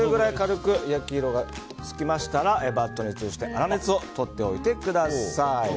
焼き色が付きましたらバットに移して粗熱をとっておいてください。